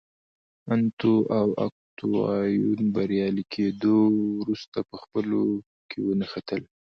انتو او اوکتاویان بریالي کېدو وروسته په خپلو کې ونښتل